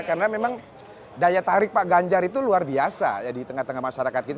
karena memang daya tarik pak ganjar itu luar biasa ya di tengah tengah masyarakat kita